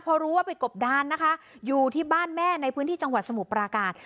พอรู้ว่าไปกบดานนะคะอยู่ที่บ้านแม่ในพื้นที่จังหวัดสมุทรปราการ